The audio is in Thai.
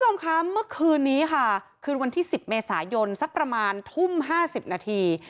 คุณผู้ชมคะเมื่อคืนนี้ค่ะคืนวันที่๑๐เมษายนสักประมาณทุ่ม๕๐นาที